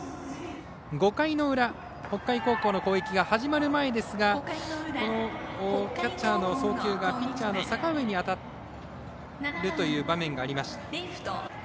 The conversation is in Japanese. ５回の裏、北海高校の攻撃が始まる前キャッチャーの送球がピッチャーの阪上に当たるという場面がありました。